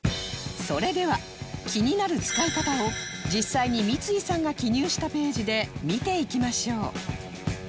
それでは気になる使い方を実際に三井さんが記入したページで見ていきましょう